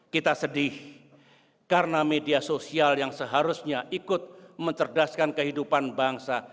kita sedih karena media sosial yang seharusnya ikut mencerdaskan kehidupan bangsa